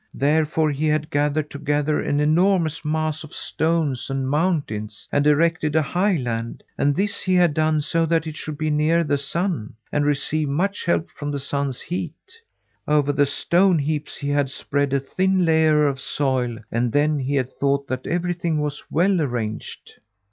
Therefore he had gathered together an enormous mass of stones and mountains, and erected a highland, and this he had done so that it should be near the sun, and receive much help from the sun's heat. Over the stone heaps he had spread a thin layer of soil, and then he had thought that everything was well arranged.